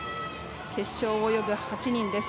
決勝を泳ぐ８人です。